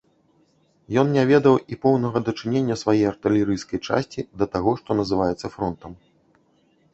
Ён не ведаў і поўнага дачынення свае артылерыйскай часці да таго, што называецца фронтам.